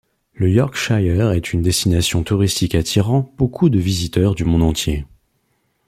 Le Yorkshire est une destination touristique attirant beaucoup de visiteurs du monde entier.